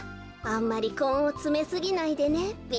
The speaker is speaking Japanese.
あんまりこんをつめすぎないでねべ。